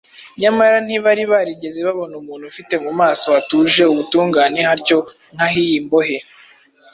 nyamara ntibari barigeze babona umuntu ufite mu maso hatuje ubutungane hatyo nk’ah’iyi mbohe